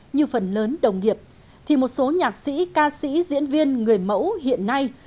như phần lớn đồng nghiệp thì một số nhạc sĩ ca sĩ diễn viên người mẫu hiện nay